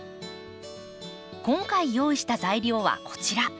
今回用意した材料はこちら。